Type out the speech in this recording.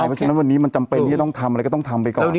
เพราะฉะนั้นวันนี้มันจำเป็นที่จะต้องทำอะไรก็ต้องทำไปก่อน